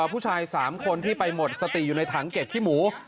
ผู้ชาย๓คนที่ไปหมดสติอยู่ในถังเก็บขี้หมู